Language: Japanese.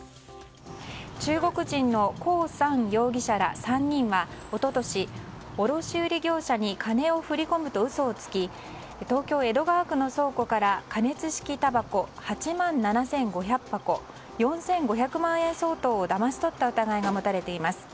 中国人のコウ・サン容疑者ら３人は一昨年、卸売業者に金を振り込むと嘘をつき東京・江戸川区の倉庫から加熱式たばこ８万７５００箱４５００万円相当をだまし取った疑いが持たれています。